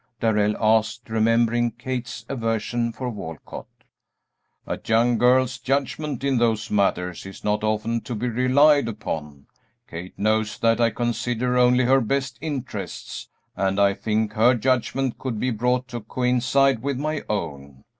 Darrell asked, remembering Kate's aversion for Walcott. "A young girl's judgment in those matters is not often to be relied upon. Kate knows that I consider only her best interests, and I think her judgment could be brought to coincide with my own.